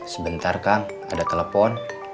sebentar kang ada telepon